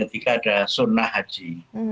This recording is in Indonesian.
ketiga ada sunnah haji